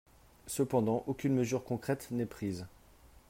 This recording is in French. Cependant, aucune mesure concrète n’est prise.